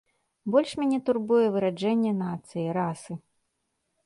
Больш мяне турбуе выраджэнне нацыі, расы.